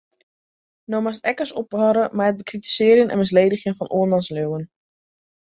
No moatst ek ris ophâlde mei it bekritisearjen en misledigjen fan oarmans leauwen.